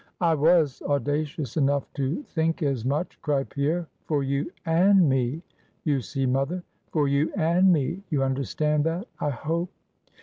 "I was audacious enough to think as much," cried Pierre, "for you and me, you see, mother; for you and me, you understand that, I hope."